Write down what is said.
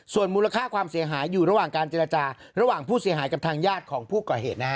ส่วนมูลค่าความเสียหายอยู่ระหว่างการเจรจาระหว่างผู้เสียหายกับทางญาติของผู้ก่อเหตุนะฮะ